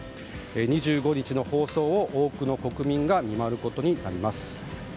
２５日の放送を多くの国民が見守ることになります。